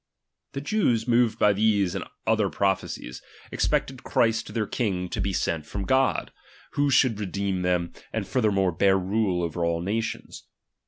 The Jews moved by these and other prophecies, expected Christ their king to be sent from God ; who should redeem them, and furthermore bear rule over all nations.